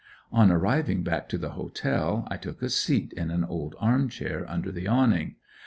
On arriving back to the Hotel I took a seat in an old arm chair under the awning.